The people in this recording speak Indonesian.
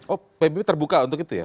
oh pbb terbuka untuk itu ya